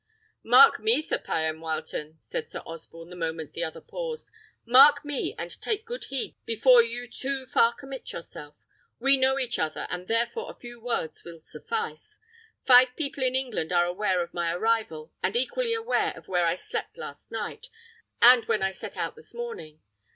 "Mark me, Sir Payan Wileton," said Sir Osborne, the moment the other paused. "Mark me, and take good heed before you too far commit yourself. We know each other, and, therefore, a few words will suffice. Five people in England are aware of my arrival, and equally aware of where I slept last night, and when I set out this morning.